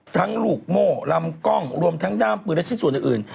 ลูกโม่ลำกล้องรวมทั้งด้ามปืนและชิ้นส่วนอื่น